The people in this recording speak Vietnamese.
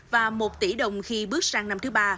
và một tỷ đồng khi bước sang năm thứ ba